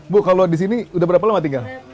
bu kalau disini udah berapa lama tinggal